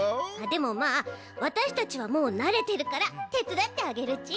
でもまあわたしたちはもうなれてるからてつだってあげるち。